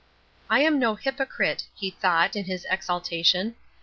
"I am no hypocrite," he thought, in his exaltation.